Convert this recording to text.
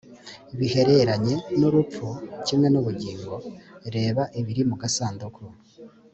bihereranye n urupfu kimwe n ubugingo reba ibiri mu gasanduku